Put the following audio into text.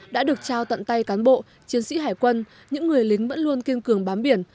đã được trao tận tay cán bộ chiến sĩ hải quân những người lính vẫn luôn kiên cường bám biển